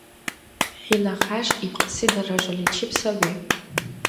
ХӀила гъяж ибкьси даражаличиб саби.